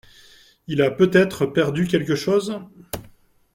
Il a peut-être perdu quelque chose ?